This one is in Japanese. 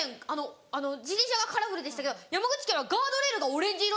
自転車がカラフルでしたけど山口県はガードレールがオレンジ色。